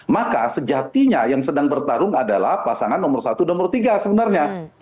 maka sejatinya yang sedang bertarung adalah pasangan nomor satu dan nomor tiga sebenarnya